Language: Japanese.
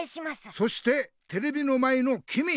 そしてテレビの前のきみ！